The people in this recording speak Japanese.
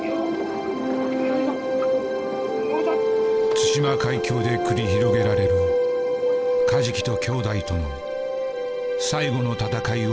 対馬海峡で繰り広げられるカジキと兄弟との最後の闘いを追った。